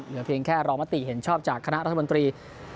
เหลือเพียงแค่รอมติเห็นชอบจากคณะรัฐมนตรี